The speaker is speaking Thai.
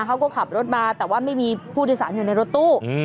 เขาก็ขับรถมาแต่ว่าไม่มีผู้โดยสารอยู่ในรถตู้